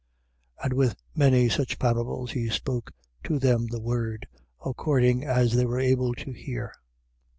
4:33. And with many such parables, he spoke to them the word, according as they were able to hear.